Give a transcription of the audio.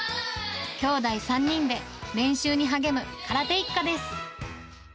きょうだい３人で練習に励む空手一家です。